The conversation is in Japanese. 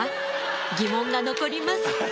疑問が残ります